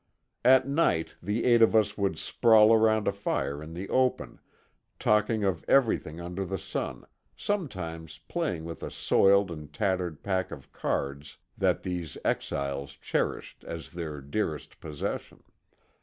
At night the eight of us would sprawl around a fire in the open, talking of everything under the sun, sometimes playing with a soiled and tattered pack of cards that these exiles cherished as their dearest possession.